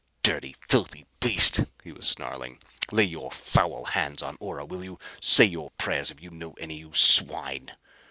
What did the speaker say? "Dirty, filthy beast!" he was snarling. "Lay your foul hands on Ora, will you? Say your prayers, if you know any, you swine!"